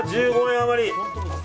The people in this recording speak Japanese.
１５円余り。